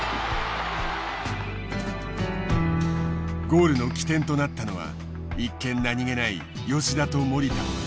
ゴールの起点となったのは一見何気ない吉田と守田のやり取り。